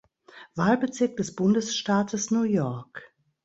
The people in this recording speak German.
Wahlbezirk des Bundesstaates New York.